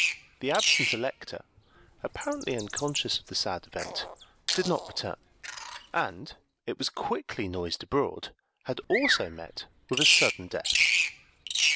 The absent Elector, apparently unconscious of the sad event, did not return, and, it was quickly noised abroad, had also met with a sudden death.